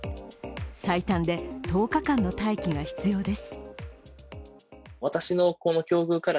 最短で１０日間の待機が必要です。